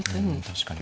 確かに。